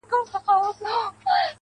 دا درې جامونـه پـه واوښـتـل~